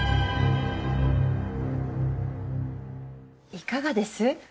いかがです？